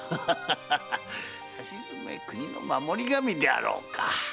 さしずめ国の守り神であろうか。は？